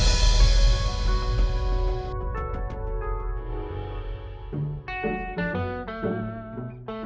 menjadi waktunya bisa jadi kekasih